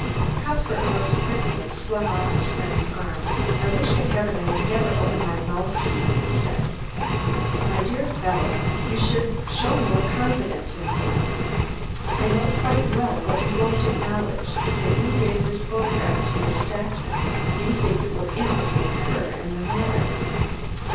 Cuthbert rose quickly and flung off his friend's arm. "I wish to Heaven I had never opened my mouth to you," he said. "My dear fellow, you should show more confidence in me. I know quite well why you won't acknowledge that you gave this photograph to Miss Saxon. You think it will implicate her in the matter."